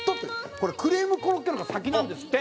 これクリームコロッケの方が先なんですって。